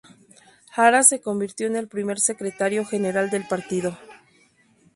Hara se convirtió en el primer secretario general del partido.